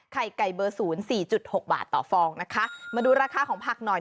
ไข่ไก่เบอร์ศูนย์สี่จุดหกบาทต่อฟองนะคะมาดูราคาของผักหน่อย